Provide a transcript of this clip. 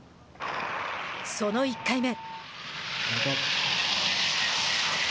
その１回目。